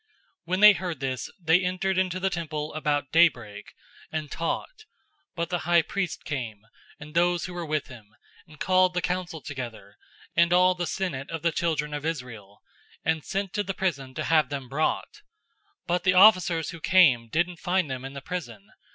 005:021 When they heard this, they entered into the temple about daybreak, and taught. But the high priest came, and those who were with him, and called the council together, and all the senate of the children of Israel, and sent to the prison to have them brought. 005:022 But the officers who came didn't find them in the prison.